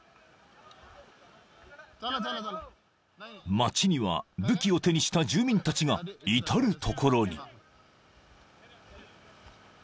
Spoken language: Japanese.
［街には武器を手にした住民たちが至る所に］